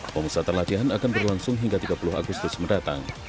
pemusatan latihan akan berlangsung hingga tiga puluh agustus mendatang